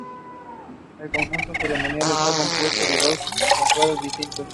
El conjunto ceremonial está compuesto por dos santuarios distintos.